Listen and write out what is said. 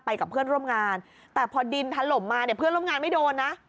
กับเพื่อนร่วมงานแต่พอดินถล่มมาเนี่ยเพื่อนร่วมงานไม่โดนนะ